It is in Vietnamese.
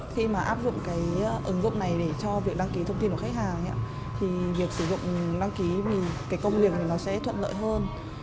khi mà áp dụng cái ứng dụng này để cho việc đăng ký thông tin của khách hàng thì việc sử dụng đăng ký vì cái công việc này nó sẽ thuận lợi hơn